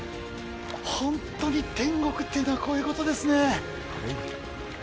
本当に天国というのは、こういうことですね。